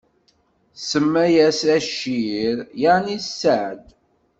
Tsemma-yas Acir, yeɛni sseɛd.